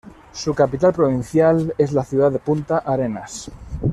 Su capital provincial es la ciudad de Punta Arenas.